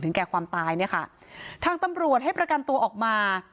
แก่ความตายเนี่ยค่ะทางตำรวจให้ประกันตัวออกมา